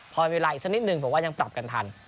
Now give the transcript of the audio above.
พอเวลาอีกสักนิดนึงผมว่ายังปรับกันทัน